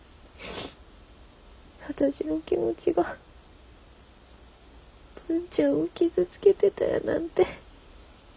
私の気持ちが文ちゃんを傷つけてたやなんて。